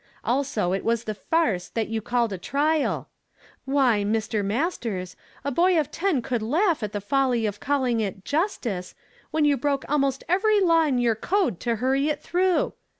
Also, it was the farce that you called a trial. Why, Mr. Masters, a boy of ten could laugh at the folly of calling it 'justice,' when you broke almost every law in your code to hurry it through.